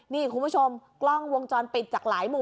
นี่คุณผู้ชมกล้องวงจรปิดจากหลายหมู่